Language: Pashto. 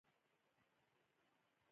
د راډیو نطاقان به په همدې جرم شړل کېدل.